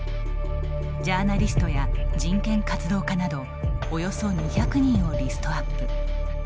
ジャーナリストや人権活動家などおよそ２００人をリストアップ。